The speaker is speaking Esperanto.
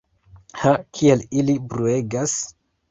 Ha, kiel ili bruegas!